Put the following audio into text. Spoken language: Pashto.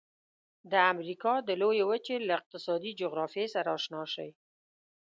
د امریکا د لویې وچې له اقتصادي جغرافیې سره آشنا شئ.